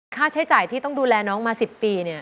ค่าใช้จ่ายที่ต้องดูแลน้องมา๑๐ปี